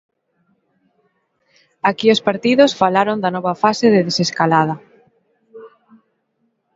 Aquí, os partidos falaron da nova fase de desescalada.